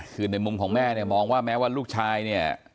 คือในมุมของแม่เนี่ยมองว่าแม้ว่าลูกชายเนี่ย